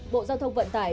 bộ giao thông vận khí